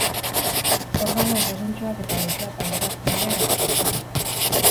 Organo osasuntsuak eta gaixoak alderatzen dira erakusketa horretan.